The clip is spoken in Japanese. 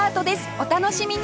お楽しみに！